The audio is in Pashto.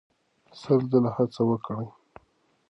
سل ځله هڅه وکړئ.